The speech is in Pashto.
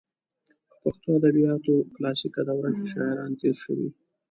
په پښتو ادبیاتو کلاسیکه دوره کې شاعران تېر شوي.